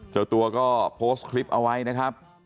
เจ้าตัวก็โพสต์คลิปเอาไว้นะครับ